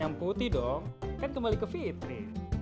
yang putih dong kan kembali ke fitri